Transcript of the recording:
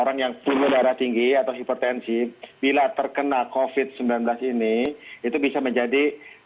orang yang punya darah tinggi atau hipertensi bila terkena covid sembilan belas ini itu bisa menjadi